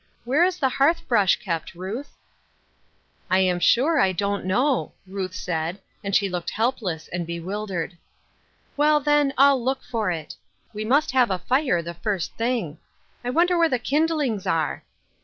Where is the hearth brush kept, Ruth ?"" I am sure I don't know," Ruth said, and she looked helpless and bewildered. " We'l, then, I'U look for it. We must have The Cross of Helplessness. 191 a fire the first thing. I wonder where the l^indlings are